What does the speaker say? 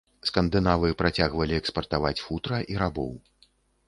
Скандынавы працягвалі экспартаваць футра і рабоў.